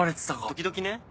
時々ね。